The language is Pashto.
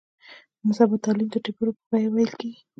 نن سبا تعلیم د ټېپرو په بیه ویل کېږي.